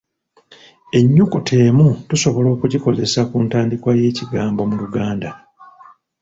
Ennyukuta l tusobola okugikozesa ku ntandikwa y’ekigambo mu Luganda.